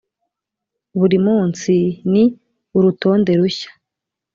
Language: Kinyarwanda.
buri munsi ni urutonde rushya